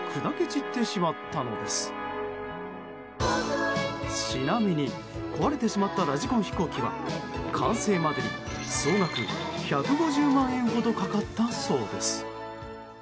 ちなみに、壊れてしまったラジコン飛行機は完成までに総額１５０万円ほどかかったそうです。